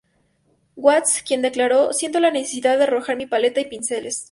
Watts, quien declaró: “Siento la necesidad de arrojar mi paleta y pinceles.